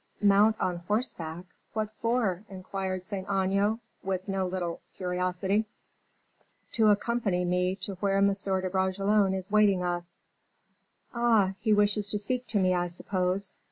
"Mount on horseback! what for?" inquired Saint Aignan, with no little curiosity. "To accompany me to where M. de Bragelonne is waiting us." "Ah! he wishes to speak to me, I suppose?